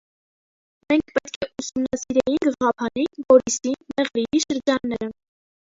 Մենք պետք է ուսումնասիրեինք Ղափանի, Գորիսի, Մեղրիի շրջանները: